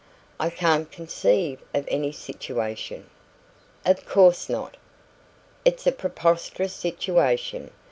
"I can't conceive of any situation " "Of course not. It's a preposterous situation.